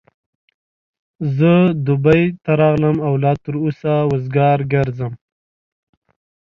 زه دبۍ ته راغلم او لا تر اوسه وزګار ګرځم.